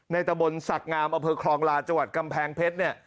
ตะบนศักดิ์งามอเภอคลองลาจังหวัดกำแพงเพชรเนี่ย